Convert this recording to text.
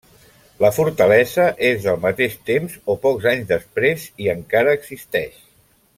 La fortalesa és del mateix temps o pocs anys després i encara existeix.